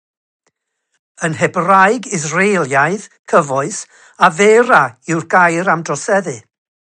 Yn Hebraeg Israelaidd gyfoes, "aveira" yw'r gair am droseddu.